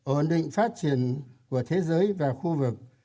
ổn định phát triển của thế giới và khu vực